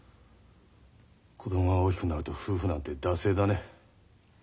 子供が大きくなると夫婦なんて惰性だね。